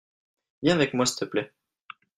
viens avec moi s'il te plait.